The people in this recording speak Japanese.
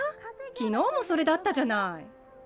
きのうもそれだったじゃない。